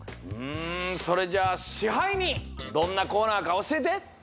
うんそれじゃあ支配人どんなコーナーかおしえて！